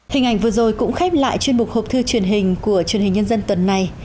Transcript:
hình ảnh vừa rồi cũng khép lại chuyên mục hộp thư truyền hình của truyền hình nhân dân tuần này